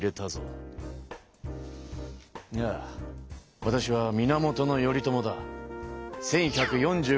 わたしは源頼朝だ。